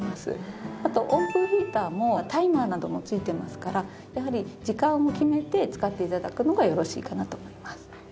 あと温風ヒーターもタイマーなども付いていますからやはり時間を決めて使って頂くのがよろしいかなと思います。